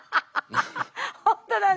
本当だね。